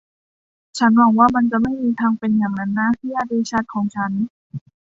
ฉันหวังว่ามันจะไม่มีทางเป็นอย่างนั้นนะ ญาติริชาร์ดของฉัน